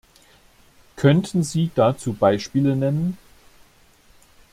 Könnten Sie dazu Beispiele nennen?